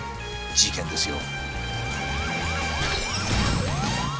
事件ですよ。